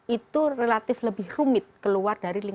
itu relatif lebih rumit keluar dari